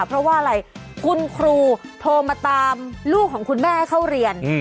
เพราะว่าอะไรคุณครูโทรมาตามลูกของคุณแม่ให้เข้าเรียน